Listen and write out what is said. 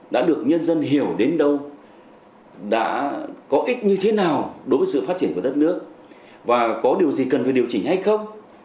đã được nhân dân hiểu đến đâu đã có ích như thế nào đối với sự phát triển của đất nước và có điều gì cần phải điều chỉnh hay không